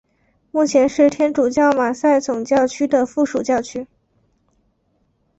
目前是天主教马赛总教区的附属教区。